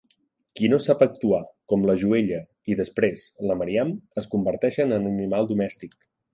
Qui no sap actuar, com la Joella i, després, la Mariam, es converteixen en animal domèstic.